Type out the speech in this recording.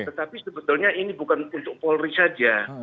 tetapi sebetulnya ini bukan untuk polri saja